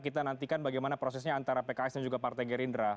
kita nantikan bagaimana prosesnya antara pks dan juga partai gerindra